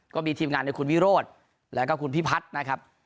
ก็มีทีมงานในคุณวิโรธแล้วก็คุณพิพัฒน์นะครับ